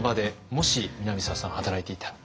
もし南沢さん働いていたら。